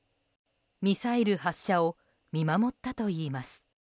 ミサイル発射を見守ったといいます。